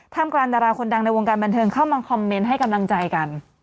การดาราคนดังในวงการบันเทิงเข้ามาคอมเมนต์ให้กำลังใจกัน